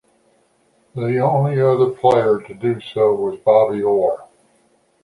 The only other player to do so was Bobby Orr.